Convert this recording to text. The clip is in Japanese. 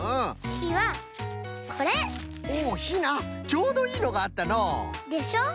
ちょうどいいのがあったのう！でしょう？